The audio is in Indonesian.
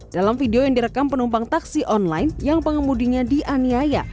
dalam video yang direkam penumpang taksi online yang pengemudinya dianiaya